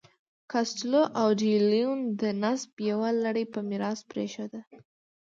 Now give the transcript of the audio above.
کاسټیلو او ډي لیون د نسب یوه لړۍ په میراث پرېښوده.